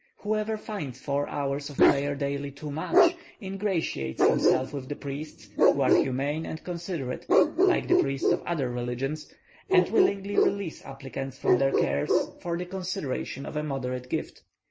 Whoever finds four hours of prayer daily too much, ingratiates himself with the priests, who are humane and considerate, like the priests of other religions, and willingly release applicants from their cares for the consideration of a moderate gift.